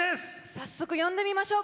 早速、呼んでみましょう。